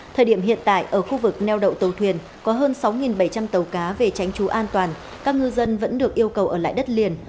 thời điểm hiện tại ở khu vực neo đậu tàu thuyền có hơn sáu bảy trăm linh tàu cá về tránh trú an toàn các ngư dân vẫn được yêu cầu ở lại đất liền